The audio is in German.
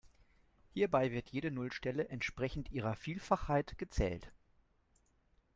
Hierbei wird jede Nullstelle entsprechend ihrer Vielfachheit gezählt.